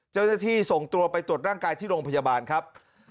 เจ้าหน้าที่ส่งตัวไปตรวจร่างกายที่โรงพยาบาลครับ